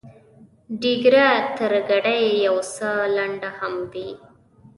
ډیګره تر ګنډۍ یو څه لنډه هم وي.